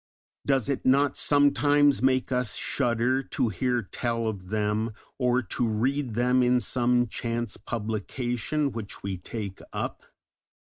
Does it not sometimes make us shudder to hear tell of them, or to read them in some chance publication which we take up?